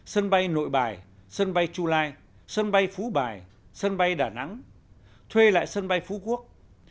sân bay nội bài sân bay chu lai sân bay phú bài sân bay đà nẵng thuê lại sân bay phú quốc